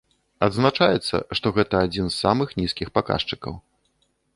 Адзначаецца, што гэта адзін з самых нізкіх паказчыкаў.